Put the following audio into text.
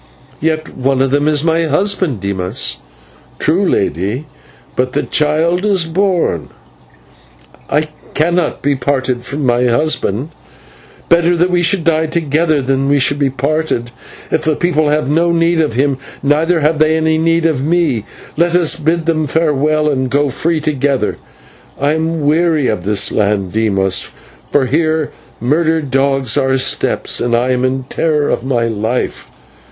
"Yet one of them is my husband, Dimas." "True, lady, but the child is born!" "I cannot be parted from my husband. Better that we should die together than that we should be parted. If the people have no need of him, neither have they any need of me; let us bid them farewell and go free together. I am weary of this land, Dimas, for here murder dogs our steps and I am in terror of my life.